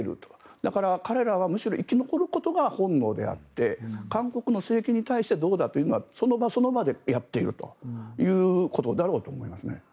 だから、彼らはむしろ生き残ることが本能であって韓国の政権に対してどうだというのはその場その場でやっているということだろうと思いますね。